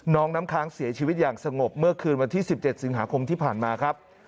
น้องน้ำค้างเสียชีวิตอย่างสงบเมื่อคืนวันที่๑๗สิงหาคมที่ผ่านมาครับ